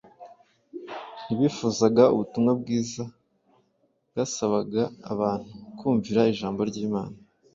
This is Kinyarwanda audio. Ntibifuzaga ubutumwa bwiza bwasabaga abantu kumvira ijambo ry’Imana